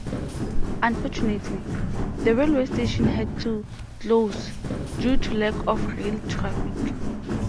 Unfortunately, the railway station had to close, due to lack of rail traffic.